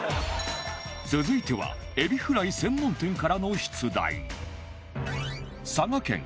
続いてはエビフライ専門店からの出題